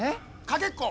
かけっこ。